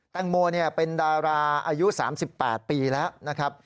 แตงโมเป็นดาราอายุ๓๘ปีแล้วนะครับ